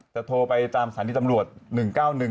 จะโทรไปตามศาลนิทัลฝ์ลวน๑๙๑